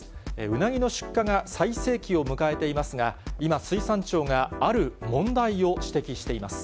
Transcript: うなぎの出荷が最盛期を迎えていますが、今、水産庁がある問題を指摘しています。